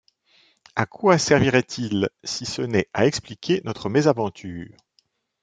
À quoi servirait-il, si ce n’est à expliquer notre mésaventure?